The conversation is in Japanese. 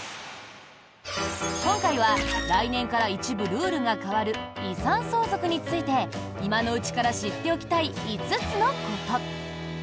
今回は来年から一部ルールが変わる遺産相続について今のうちから知っておきたい５つのこと。